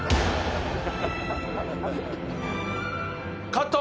カット！